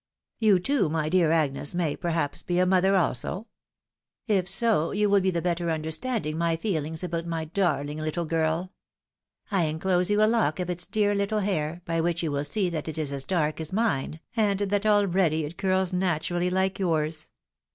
You, too, my dear Agnes, may, perhaps, be a mother also. If so, you wiU the better understand my feelings about my darling httle girl ! I inclose you a lock of its dear little hair, by which you wiU see that it is as dark as mine, and that already it curls naturally like yours.